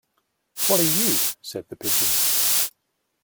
What are you?’ said the Pigeon.